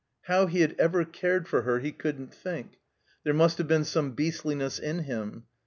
How he had ever cared for her he couldn't think. There must have been some beastliness in him.